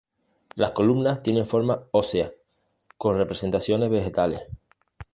Las columnas tienen forma ósea, con representaciones vegetales.